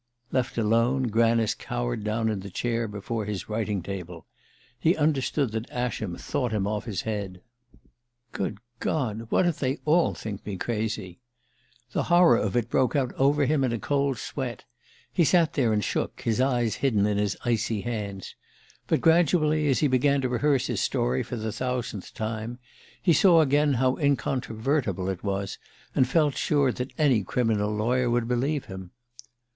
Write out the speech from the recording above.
Left alone, Granice cowered down in the chair before his writing table. He understood that Ascham thought him off his head. "Good God what if they all think me crazy?" The horror of it broke out over him in a cold sweat he sat there and shook, his eyes hidden in his icy hands. But gradually, as he began to rehearse his story for the thousandth time, he saw again how incontrovertible it was, and felt sure that any criminal lawyer would believe him.